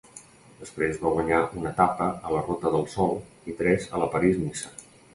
Després va guanyar una etapa a la Ruta del Sol i tres a la París-Niça.